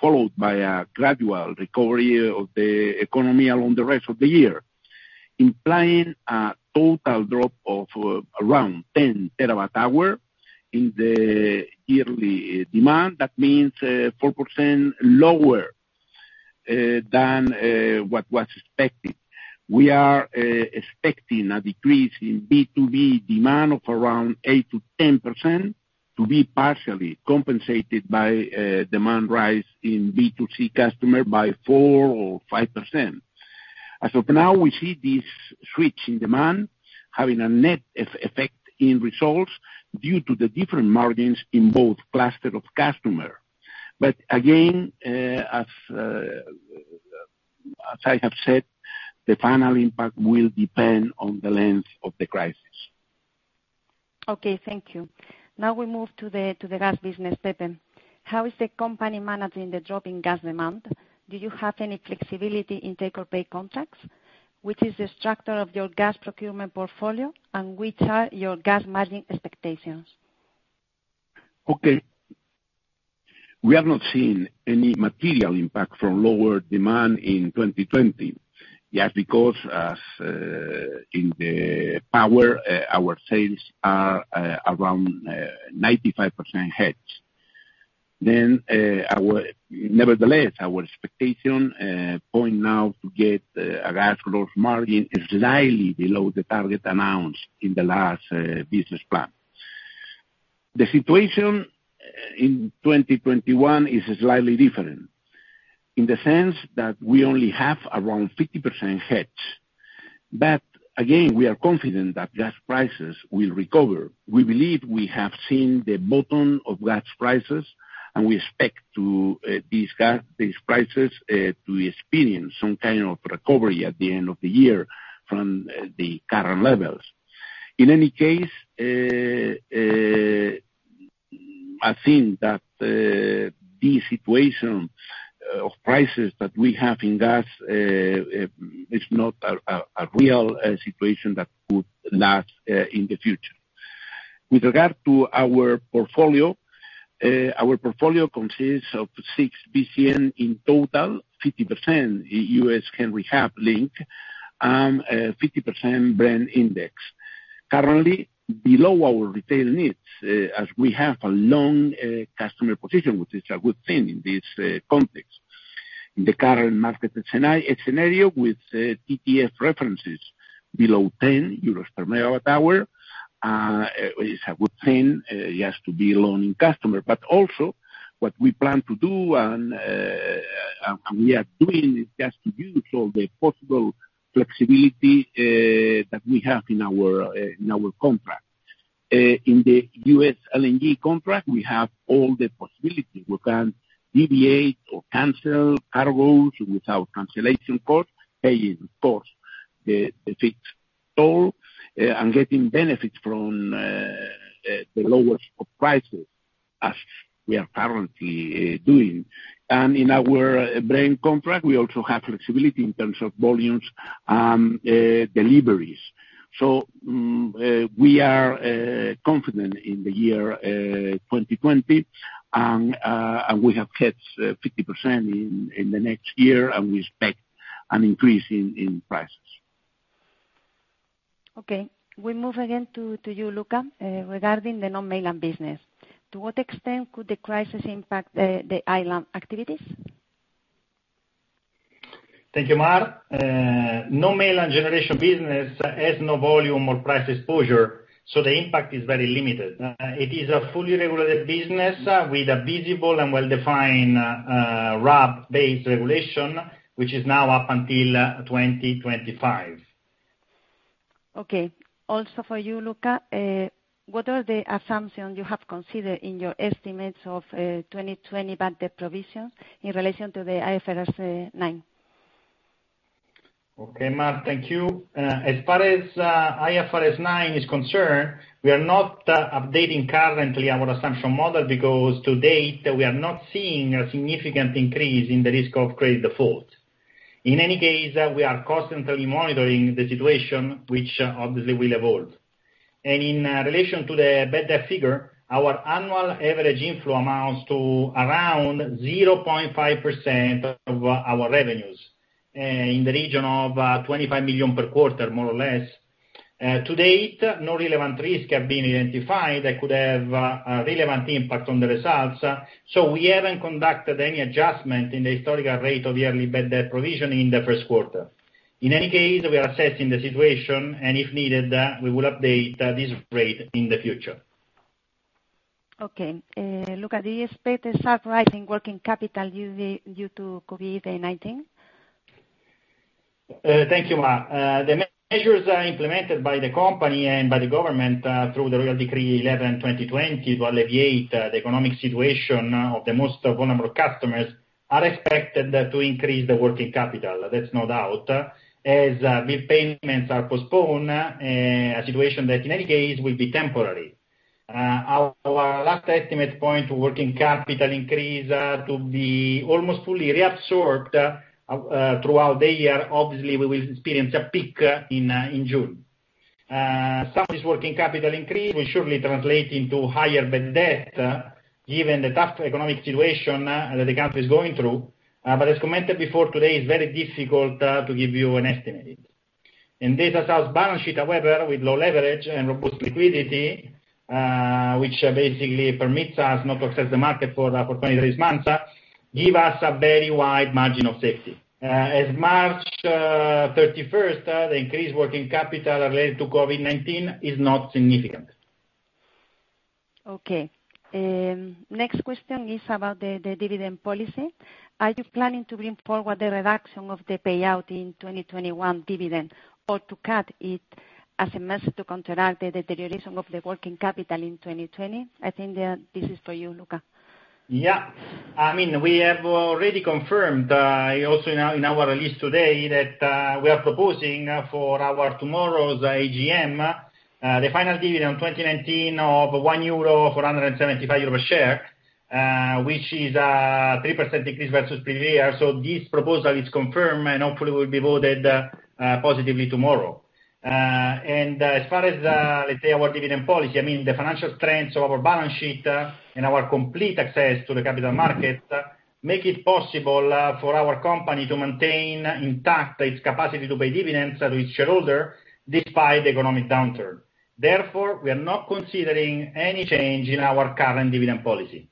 followed by a gradual recovery of the economy along the rest of the year, implying a total drop of around 10 TWh in the yearly demand. That means 4% lower than what was expected. We are expecting a decrease in B2B demand of around 8%-10% to be partially compensated by demand rise in B2C customers by 4% or 5%. As of now, we see this switch in demand having a net effect in results due to the different margins in both clusters of customers. But again, as I have said, the final impact will depend on the length of the crisis. Okay, thank you. Now we move to the gas business, Pepe. How is the company managing the drop in gas demand? Do you have any flexibility in take-or-pay contracts? Which is the structure of your gas procurement portfolio, and which are your gas margin expectations? Okay. We have not seen any material impact from lower demand in 2020. Yes, because in the power, our sales are around 95% hedged. Then, nevertheless, our expectation points now to get a gas gross margin slightly below the target announced in the last business plan. The situation in 2021 is slightly different in the sense that we only have around 50% hedged. But again, we are confident that gas prices will recover. We believe we have seen the bottom of gas prices, and we expect these prices to experience some kind of recovery at the end of the year from the current levels. In any case, I think that this situation of prices that we have in gas is not a real situation that could last in the future. With regard to our portfolio, our portfolio consists of six bcm in total, 50% U.S. Henry Hub link, and 50% Brent index. Currently, below our retail needs as we have a long customer position, which is a good thing in this context. In the current market scenario with TTF references below 10 euros per MWh, it's a good thing just to be a low-end customer, but also, what we plan to do and we are doing is just to use all the possible flexibility that we have in our contract. In the U.S. LNG contract, we have all the possibility. We can deviate or cancel cargoes without cancellation costs, paying, of course, the fixed toll and getting benefits from the lower prices as we are currently doing, and in our Brent contract, we also have flexibility in terms of volumes and deliveries. We are confident in the year 2020, and we have hedged 50% in the next year, and we expect an increase in prices. Okay, we move again to you, Luca, regarding the non-mainland business. To what extent could the crisis impact the island activities? Thank you, Mar. Non-mainland generation business has no volume or price exposure, so the impact is very limited. It is a fully regulated business with a visible and well-defined RAB-based regulation, which is now up until 2025. Okay. Also for you, Luca, what are the assumptions you have considered in your estimates of 2020 bad debt provisions in relation to the IFRS 9? Okay, Mar, thank you. As far as IFRS 9 is concerned, we are not updating currently our assumption model because to date, we are not seeing a significant increase in the risk of credit default. In any case, we are constantly monitoring the situation, which obviously will evolve, and in relation to the bad debt figure, our annual average inflow amounts to around 0.5% of our revenues in the region of 25 million per quarter, more or less. To date, no relevant risks have been identified that could have a relevant impact on the results, so we haven't conducted any adjustment in the historical rate of yearly bad debt provision in the first quarter. In any case, we are assessing the situation, and if needed, we will update this rate in the future. Okay. Luca, do you expect a surprising working capital due to COVID-19? Thank you, Mar. The measures implemented by the company and by the government through the Royal Decree 11/2020 to alleviate the economic situation of the most vulnerable customers are expected to increase the working capital. That's no doubt. As bill payments are postponed, a situation that in any case will be temporary. Our last estimate points to working capital increase to be almost fully reabsorbed throughout the year. Obviously, we will experience a peak in June. Some of this working capital increase will surely translate into higher bad debt given the tough economic situation that the country is going through. But as commented before, today is very difficult to give you an estimate. And this allows balance sheet, however, with low leverage and robust liquidity, which basically permits us not to access the market for 23 months, gives us a very wide margin of safety. As of March 31st, the increased working capital related to COVID-19 is not significant. Okay. Next question is about the dividend policy. Are you planning to bring forward the reduction of the payout in 2021 dividend or to cut it as a measure to counteract the deterioration of the working capital in 2020? I think that this is for you, Luca. Yeah. I mean, we have already confirmed also in our release today that we are proposing for our tomorrow's AGM the final dividend for 2019 of 1.475 euro per share, which is a 3% increase versus previous year. So this proposal is confirmed and hopefully will be voted positively tomorrow. And as far as, let's say, our dividend policy, I mean, the financial strengths of our balance sheet and our complete access to the capital market make it possible for our company to maintain intact its capacity to pay dividends to its shareholders despite the economic downturn. Therefore, we are not considering any change in our current dividend policy.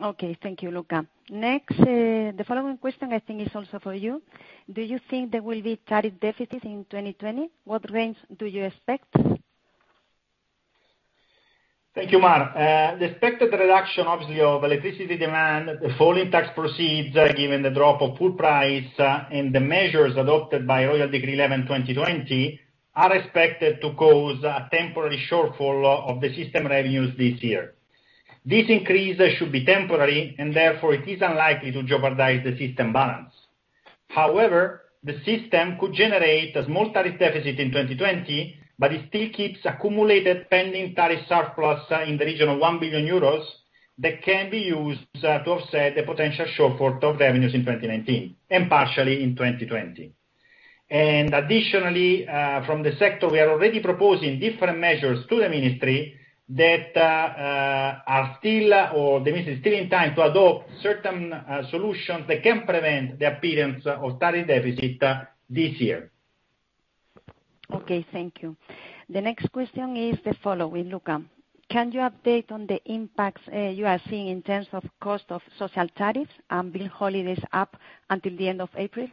Okay, thank you, Luca. Next, the following question I think is also for you. Do you think there will be tariff deficits in 2020? What range do you expect? Thank you, Mar. The expected reduction, obviously, of electricity demand, the fall in tax proceeds given the drop of fuel price and the measures adopted by Royal Decree 11/2020 are expected to cause a temporary shortfall of the system revenues this year. This increase should be temporary, and therefore it is unlikely to jeopardize the system balance. However, the system could generate a small tariff deficit in 2020, but it still keeps accumulated pending tariff surplus in the region of 1 billion euros that can be used to offset the potential shortfall of revenues in 2019 and partially in 2020. Additionally, from the sector, we are already proposing different measures to the ministry that are still, or the ministry is still in time to adopt certain solutions that can prevent the appearance of tariff deficit this year. Okay, thank you. The next question is the following, Luca. Can you update on the impacts you are seeing in terms of cost of social tariffs and bill holidays up until the end of April?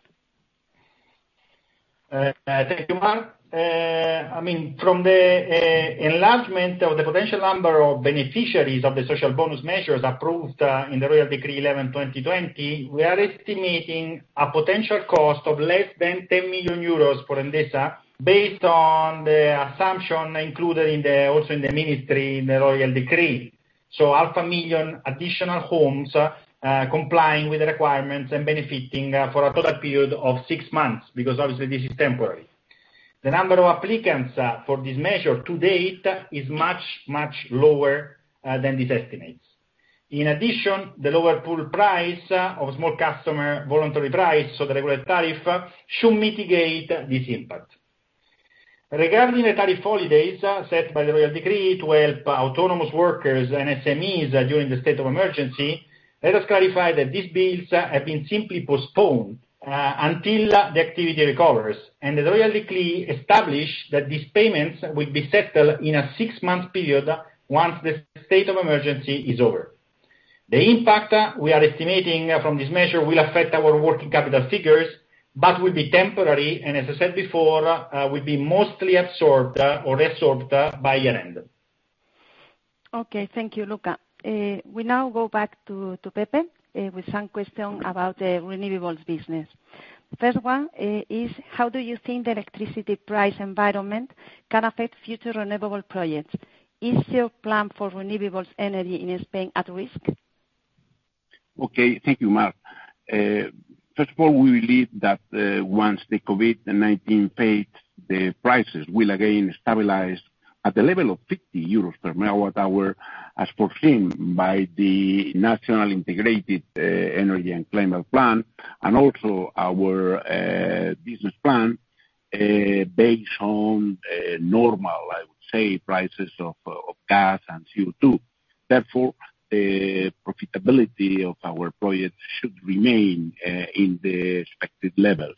Thank you, Mar. I mean, from the enlargement of the potential number of beneficiaries of the Social Bonus measures approved in the Royal Decree 11/2020, we are estimating a potential cost of less than 10 million euros for Endesa based on the assumption included also in the ministry in the Royal Decree. So 500,000 additional homes complying with the requirements and benefiting for a total period of six months because obviously this is temporary. The number of applicants for this measure to date is much, much lower than these estimates. In addition, the lower fuel price of Small Customer Voluntary Price, so the regular tariff, should mitigate this impact. Regarding the tariff holidays set by the Royal Decree to help autonomous workers and SMEs during the state of emergency, let us clarify that these bills have been simply postponed until the activity recovers. The Royal Decree established that these payments will be settled in a six-month period once the state of emergency is over. The impact we are estimating from this measure will affect our working capital figures, but will be temporary and, as I said before, will be mostly absorbed or resorbed by year-end. Okay, thank you, Luca. We now go back to Pepe with some questions about the renewables business. First one is, how do you think the electricity price environment can affect future renewable projects? Is your plan for renewables energy in Spain at risk? Okay, thank you, Mar. First of all, we believe that once the COVID-19 fades, the prices will again stabilize at the level of 50 euros per MWh as foreseen by the National Integrated Energy and Climate Plan and also our business plan based on normal, I would say, prices of gas and CO2. Therefore, the profitability of our projects should remain in the expected levels.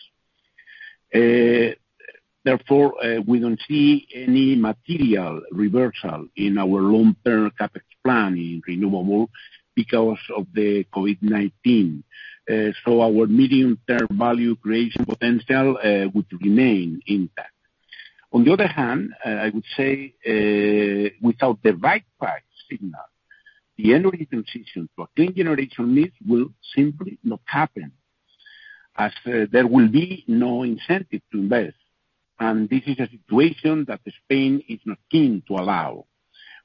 Therefore, we don't see any material reversal in our long-term CapEx plan in renewable because of the COVID-19. So our medium-term value creation potential would remain intact. On the other hand, I would say without the right price signal, the energy transition to a clean generation needs will simply not happen as there will be no incentive to invest. This is a situation that Spain is not keen to allow.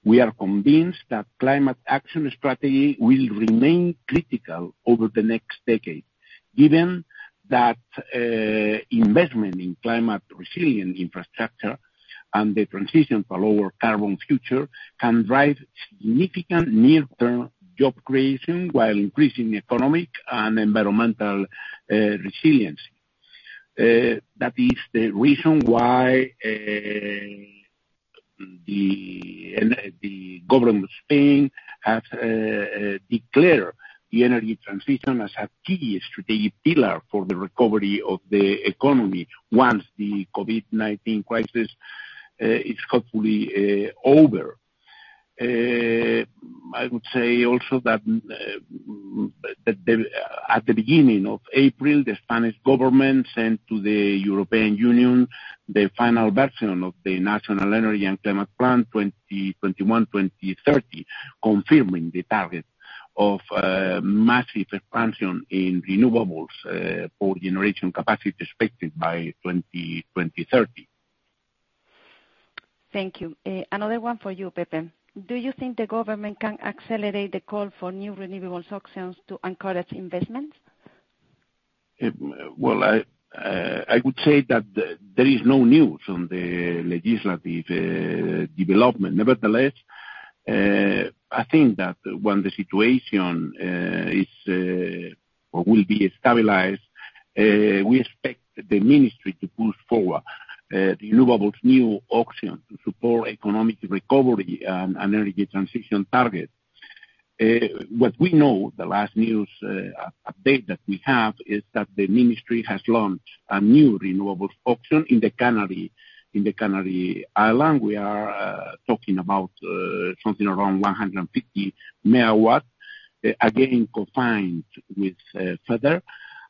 We are convinced that climate action strategy will remain critical over the next decade, given that investment in climate-resilient infrastructure and the transition to a lower carbon future can drive significant near-term job creation while increasing economic and environmental resiliency. That is the reason why the government of Spain has declared the energy transition as a key strategic pillar for the recovery of the economy once the COVID-19 crisis is hopefully over. I would say also that at the beginning of April, the Spanish government sent to the European Union the final version of the National Energy and Climate Plan 2021-2030, confirming the target of massive expansion in renewables for generation capacity expected by 2030. Thank you. Another one for you, Pepe. Do you think the government can accelerate the call for new renewables options to encourage investments? I would say that there is no news on the legislative development. Nevertheless, I think that when the situation is or will be stabilized, we expect the ministry to push forward renewables new auction to support economic recovery and energy transition target. What we know, the last news update that we have is that the ministry has launched a new renewables auction in the Canary Islands. We are talking about something around 150 MW, again co-financed with FEDER.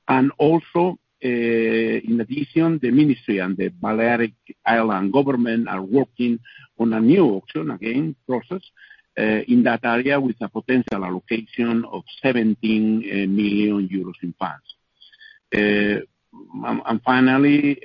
And also, in addition, the ministry and the Balearic Islands government are working on a new auction, again processed in that area with a potential allocation of 17 million euros in funds. Finally,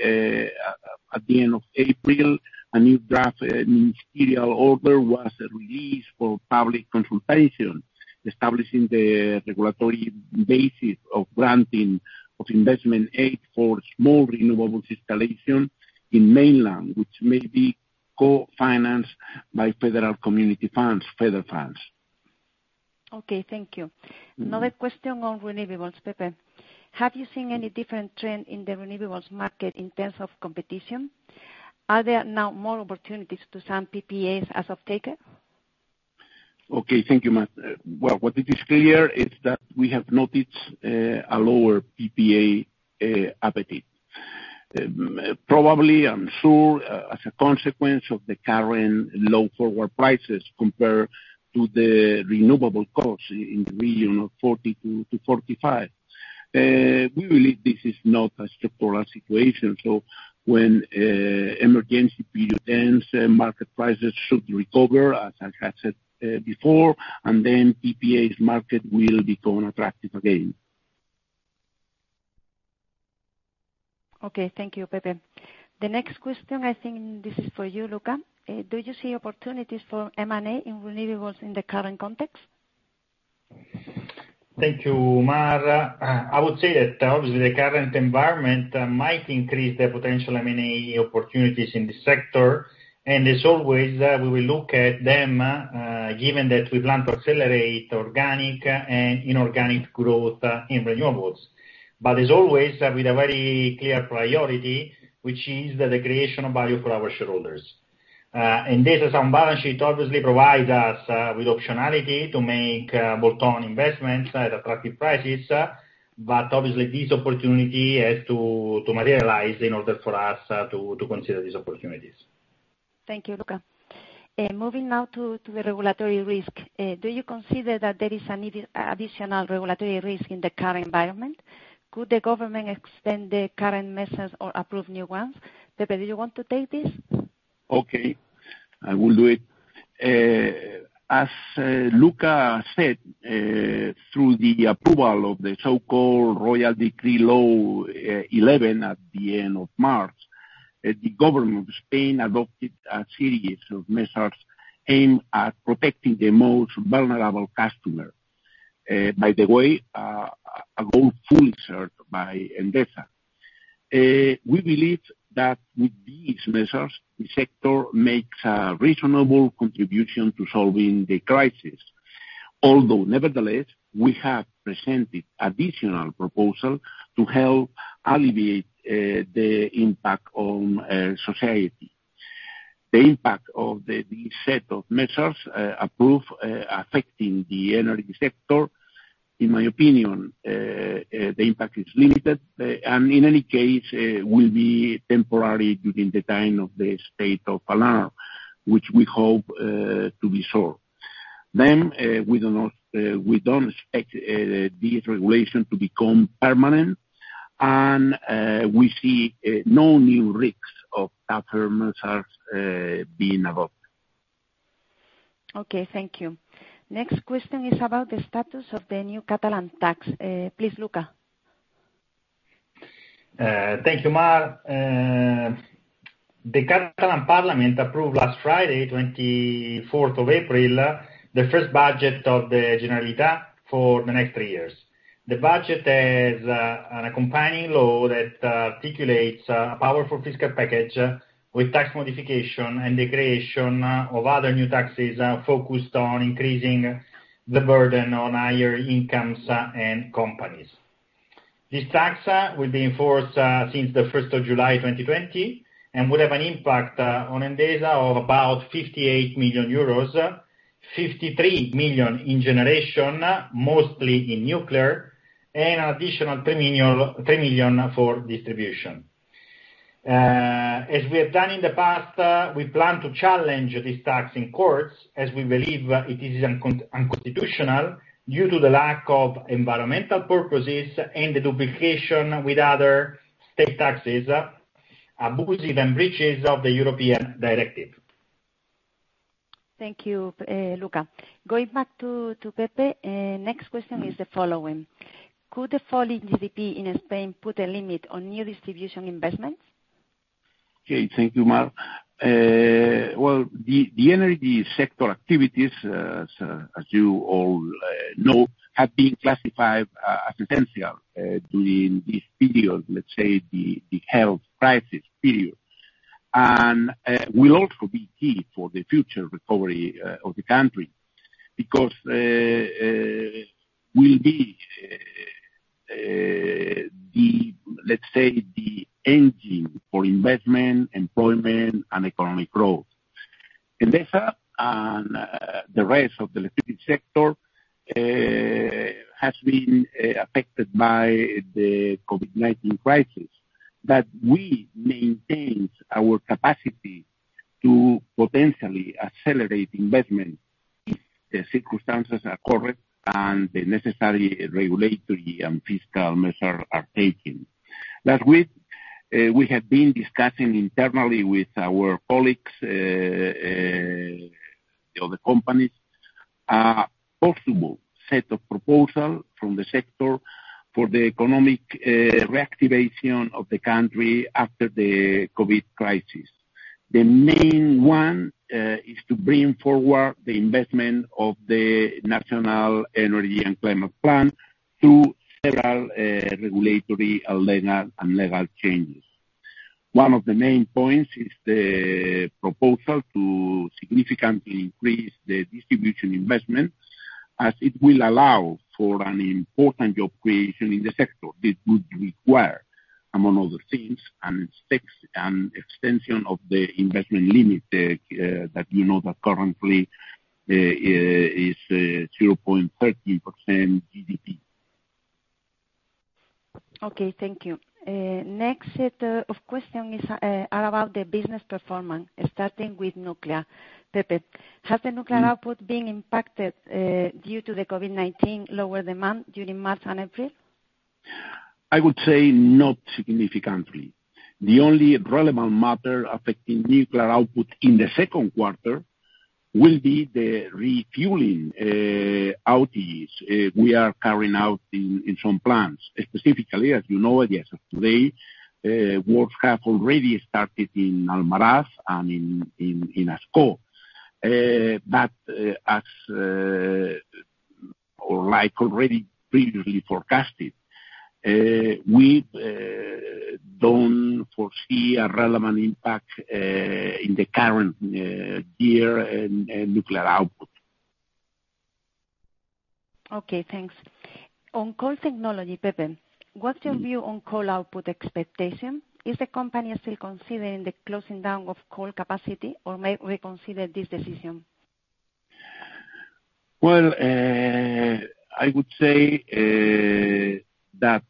at the end of April, a new draft ministerial order was released for public consultation establishing the regulatory basis of granting of investment aid for small renewables installation in mainland, which may be co-financed by FEDER community funds, FEDER funds. Okay, thank you. Another question on renewables, Pepe. Have you seen any different trend in the renewables market in terms of competition? Are there now more opportunities to some PPAs as off-taker? Okay, thank you, Mar. What is clear is that we have noticed a lower PPA appetite. Probably, I'm sure, as a consequence of the current low forward prices compared to the renewable cost in the region of 40-45. We believe this is not a structural situation. When emergency period ends, market prices should recover, as I have said before, and then PPAs market will become attractive again. Okay, thank you, Pepe. The next question, I think this is for you, Luca. Do you see opportunities for M&A in renewables in the current context? Thank you, Mar. I would say that obviously the current environment might increase the potential M&A opportunities in the sector. And as always, we will look at them given that we plan to accelerate organic and inorganic growth in renewables. But as always, with a very clear priority, which is the creation of value for our shareholders. And this is a balance sheet that obviously provides us with optionality to make bolt-on investments at attractive prices. But obviously, this opportunity has to materialize in order for us to consider these opportunities. Thank you, Luca. Moving now to the regulatory risk. Do you consider that there is an additional regulatory risk in the current environment? Could the government extend the current measures or approve new ones? Pepe, do you want to take this? Okay, I will do it. As Luca said, through the approval of the so-called Royal Decree 11/2020 at the end of March, the government of Spain adopted a series of measures aimed at protecting the most vulnerable customers. By the way, a goal fully served by Endesa. We believe that with these measures, the sector makes a reasonable contribution to solving the crisis. Although nevertheless, we have presented additional proposals to help alleviate the impact on society. The impact of these set of measures approved affecting the energy sector, in my opinion, the impact is limited and in any case will be temporary during the time of the state of alarm, which we hope to be short. Then we don't expect this regulation to become permanent and we see no new risks of tougher measures being adopted. Okay, thank you. Next question is about the status of the new Catalan tax. Please, Luca. Thank you, Mar. The Catalan Parliament approved last Friday, April 24th, the first budget of the Generalitat for the next three years. The budget has an accompanying law that articulates a powerful fiscal package with tax modification and the creation of other new taxes focused on increasing the burden on higher incomes and companies. This tax will be enforced since the July 1st, 2020 and would have an impact on Endesa of about 58 million euros, 53 million in generation, mostly in nuclear, and an additional 3 million for distribution. As we have done in the past, we plan to challenge this tax in courts as we believe it is unconstitutional due to the lack of environmental purposes and the duplication with other state taxes, abusive, and breaches of the European directive. Thank you, Luca. Going back to Pepe, next question is the following. Could the fall in GDP in Spain put a limit on new distribution investments? Okay, thank you, Mar. Well, the energy sector activities, as you all know, have been classified as essential during this period, let's say the health crisis period, and will also be key for the future recovery of the country because will be the, let's say, the engine for investment, employment, and economic growth. Endesa and the rest of the electricity sector has been affected by the COVID-19 crisis, but we maintain our capacity to potentially accelerate investment if the circumstances are correct and the necessary regulatory and fiscal measures are taken. Last week, we have been discussing internally with our colleagues of the companies a possible set of proposals from the sector for the economic reactivation of the country after the COVID crisis. The main one is to bring forward the investment of the National Energy and Climate Plan through several regulatory and legal changes. One of the main points is the proposal to significantly increase the distribution investment as it will allow for an important job creation in the sector. This would require, among other things, an extension of the investment limit that you know that currently is 0.13% GDP. Okay, thank you. Next set of questions are about the business performance, starting with nuclear. Pepe, has the nuclear output been impacted due to the COVID-19 lower demand during March and April? I would say not significantly. The only relevant matter affecting nuclear output in the second quarter will be the refueling outages we are carrying out in some plants. Specifically, as you know, at the end of today, works have already started in Almaraz and in Ascó. But as already previously forecasted, we don't foresee a relevant impact in the current year in nuclear output. Okay, thanks. On coal technology, Pepe, what's your view on coal output expectation? Is the company still considering the closing down of coal capacity or may reconsider this decision? I would say that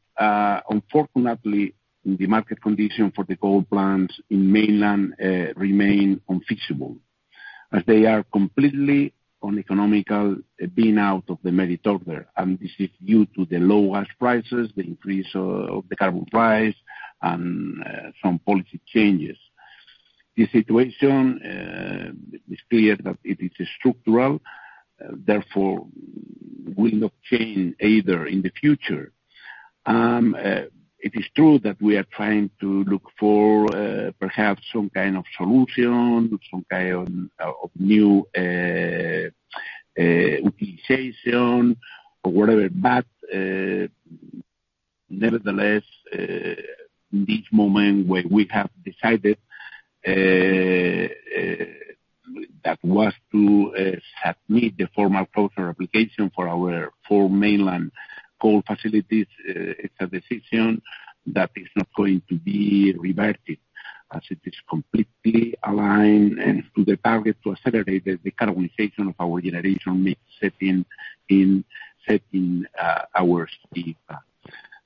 unfortunately, the market condition for the coal plants in mainland remains unfeasible as they are completely uneconomical being out of the merit order. This is due to the low gas prices, the increase of the carbon price, and some policy changes. The situation is clear that it is structural. Therefore, we will not change either in the future. It is true that we are trying to look for perhaps some kind of solution, some kind of new utilization or whatever. Nevertheless, in this moment where we have decided to submit the formal closure application for our four mainland coal facilities, it's a decision that is not going to be reverted as it is completely aligned to the target to accelerate the decarbonization of our generation mix set in our strategy.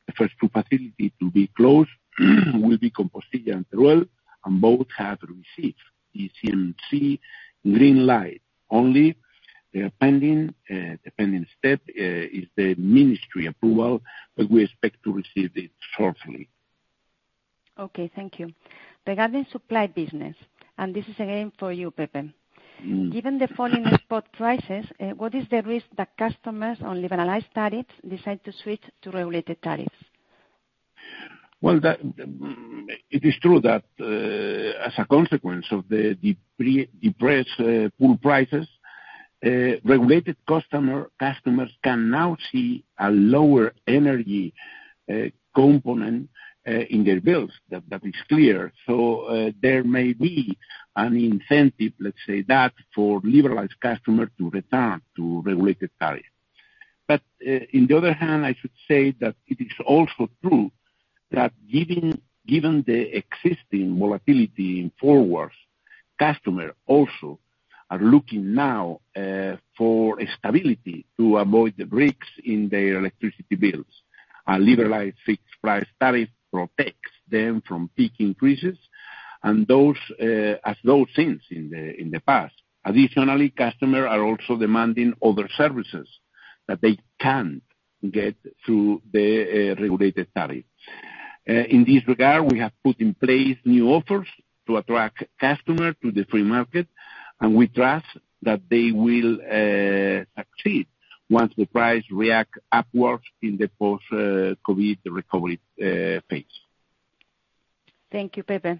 The first two facilities to be closed will be Compostilla and Teruel, and both have received CNMC green light. Only the pending step is the ministry approval, but we expect to receive it shortly. Okay, thank you. Regarding supply business, and this is again for you, Pepe. Given the fall in export prices, what is the risk that customers on liberalized tariffs decide to switch to regulated tariffs? Well, it is true that as a consequence of the depressed pool prices, regulated customers can now see a lower energy component in their bills. That is clear. So there may be an incentive, let's say, for liberalized customers to return to regulated tariffs. But on the other hand, I should say that it is also true that given the existing volatility in forwards, customers also are looking now for stability to avoid the hikes in their electricity bills. A liberalized fixed price tariff protects them from peak increases as those seen in the past. Additionally, customers are also demanding other services that they can't get through the regulated tariffs. In this regard, we have put in place new offers to attract customers to the free market, and we trust that they will succeed once the price reacts upwards in the post-COVID recovery phase. Thank you, Pepe.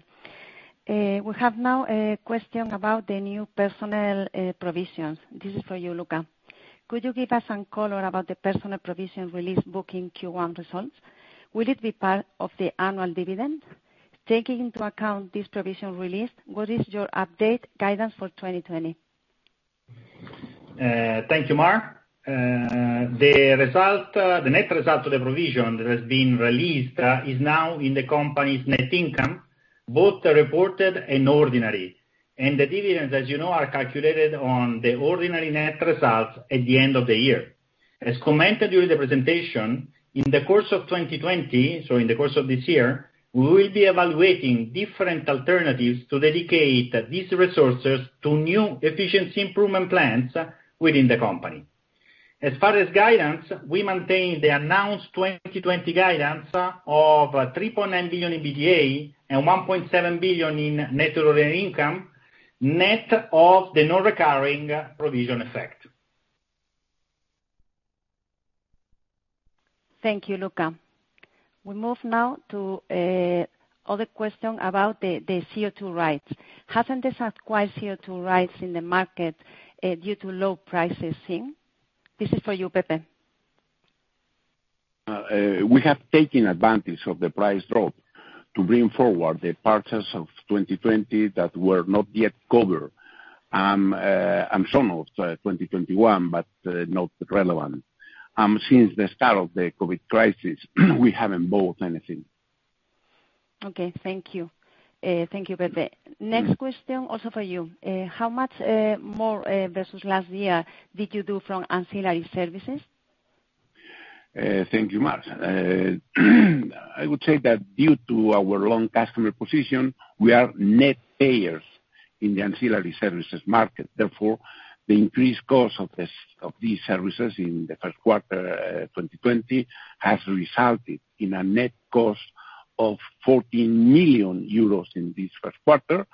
We have now a question about the new bad debt provisions. This is for you, Luca. Could you give us some color about the bad debt provision release booking Q1 results? Will it be part of the annual dividend? Taking into account this provision release, what is your update guidance for 2020? Thank you, Mar. The net result of the provision that has been released is now in the company's net income, both reported and ordinary. And the dividends, as you know, are calculated on the ordinary net results at the end of the year. As commented during the presentation, in the course of 2020, so in the course of this year, we will be evaluating different alternatives to dedicate these resources to new efficiency improvement plans within the company. As far as guidance, we maintain the announced 2020 guidance of 3.9 billion in EBITDA and 1.7 billion in net revenue income net of the non-recurring provision effect. Thank you, Luca. We move now to another question about the CO2 rights. Has Endesa acquired CO2 rights in the market due to low prices seen? This is for you, Pepe. We have taken advantage of the price drop to bring forward the purchase of 2020 that were not yet covered and some of 2021, but not relevant. Since the start of the COVID crisis, we haven't bought anything. Okay, thank you. Thank you, Pepe. Next question also for you. How much more versus last year did you do from ancillary services? Thank you, Mar. I would say that due to our long customer position, we are net payers in the ancillary services market. Therefore, the increased cost of these services in the first quarter of 2020 has resulted in a net cost of 14 million euros in this first quarter,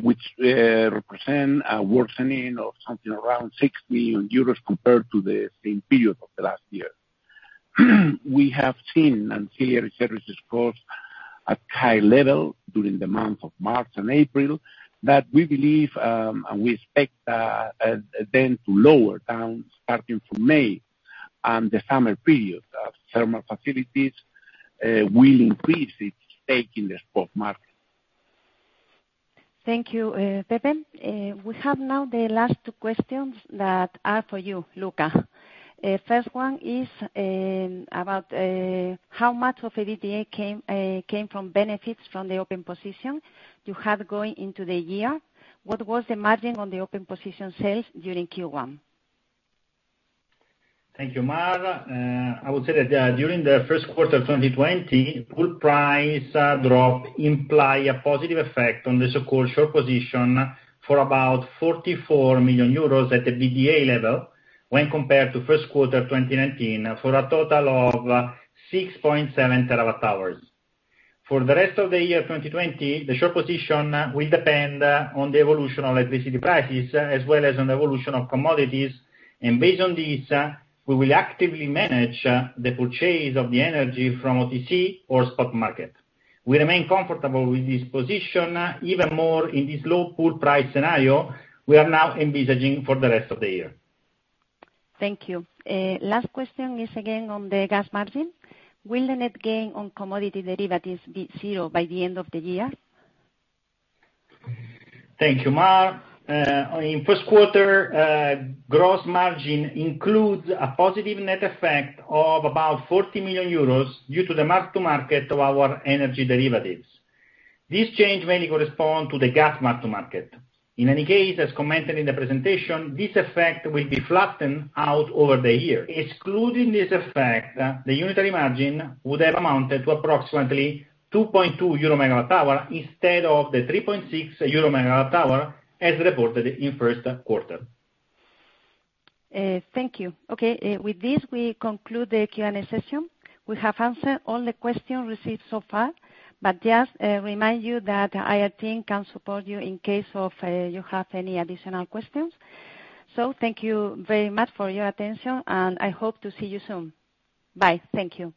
which represents a worsening of something around 6 million euros compared to the same period of the last year. We have seen ancillary services costs at a high level during the months of March and April that we believe and we expect then to lower down starting from May. And the summer period of thermal facilities will increase its stake in the spot market. Thank you, Pepe. We have now the last two questions that are for you, Luca. The first one is about how much of the EBITDA came from benefits from the open position you had going into the year. What was the margin on the open position sales during Q1? Thank you, Mar. I would say that during the first quarter of 2020, fuel price drop implied a positive effect on the so-called short position for about 44 million euros at the EBITDA level when compared to first quarter 2019 for a total of 6.7 TWh. For the rest of the year 2020, the short position will depend on the evolution of electricity prices as well as on the evolution of commodities. And based on this, we will actively manage the purchase of the energy from OTC or spot market. We remain comfortable with this position even more in this low pool price scenario we are now envisaging for the rest of the year. Thank you. Last question is again on the gas margin. Will the net gain on commodity derivatives be zero by the end of the year? Thank you, Mar. In first quarter, gross margin includes a positive net effect of about 40 million euros due to the mark-to-market of our energy derivatives. This change mainly corresponds to the gas mark-to-market. In any case, as commented in the presentation, this effect will be flattened out over the year. Excluding this effect, the unitary margin would have amounted to approximately 2.20 euro per MWh instead of the 3.60 euro per MWh as reported in first quarter. Thank you. Okay, with this, we conclude the Q&A session. We have answered all the questions received so far, but just remind you that IR team can support you in case you have any additional questions. So thank you very much for your attention, and I hope to see you soon. Bye. Thank you.